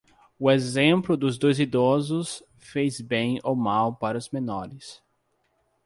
O exemplo dos idosos faz bem ou mal para os menores.